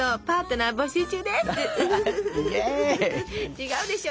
違うでしょ。